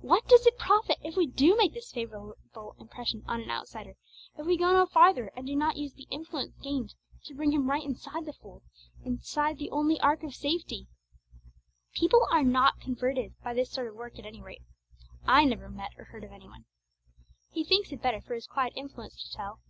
What does it profit if we do make this favourable impression on an outsider, if we go no farther and do not use the influence gained to bring him right inside the fold, inside the only ark of safety? People are not converted by this sort of work; at any rate, I never met or heard of any one. 'He thinks it better for his quiet influence to tell!'